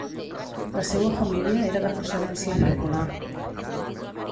La seua família era de procedència agrícola.